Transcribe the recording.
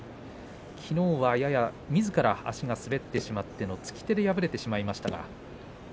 きのうは、ややみずから足が滑ってしまってのつき手で敗れてしまいました。